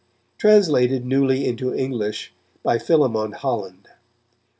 Translated newly into English by Philémon Holland.